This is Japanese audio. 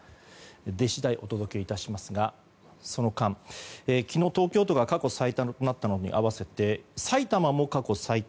出次第、お届け致しますがその間、昨日、東京都が過去最多となったのに併せて埼玉も過去最多。